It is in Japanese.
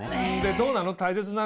そうなの？